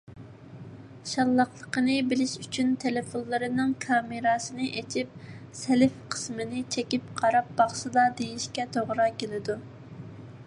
شاللاقلىقنى بىلىش ئۈچۈن تېلېفونلىرىنىڭ كامېراسىنى ئېچىپ self قىسمىنى چېكىپ قاراپ باقسىلا، دېيشكە توغرا كېلىدۇ.